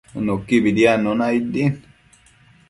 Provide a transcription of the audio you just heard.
Nuquibi diadnuna aid din